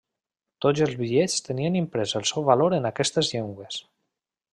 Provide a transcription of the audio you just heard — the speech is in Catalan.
Tots els bitllets tenien imprès el seu valor en aquestes llengües.